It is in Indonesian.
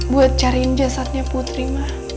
buat cariin jasadnya putri mah